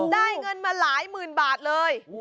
ได้เงินมาหลายหมื่นบาทเลย